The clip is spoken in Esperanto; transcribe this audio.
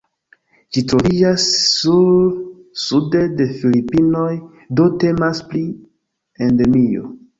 Ĝi troviĝas nur sude de Filipinoj, do temas pri Endemio.